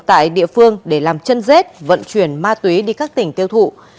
tại địa phương để làm chân rết vận chuyển ma túy đi các tỉnh tiêu thụ